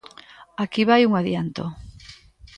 Aquí vai un adianto!